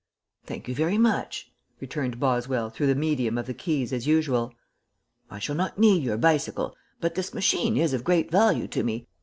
"Thank you very much," returned Boswell through the medium of the keys, as usual. "I shall not need your bicycle, but this machine is of great value to me.